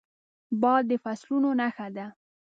باد د فصلونو نښه ده